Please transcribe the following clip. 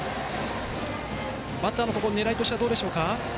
バッターの狙いとしてはどうでしょうか？